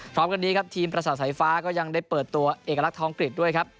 พร้อมกันนี้ครับทีมประสาทสายฟ้าก็ยังได้เปิดตัวเอกลักษณ์ทองกฤษด้วยครับ